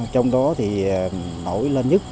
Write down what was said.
trong đó thì nổi lên nhất